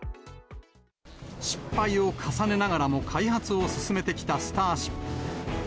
失敗を重ねながらも、開発を進めてきたスターシップ。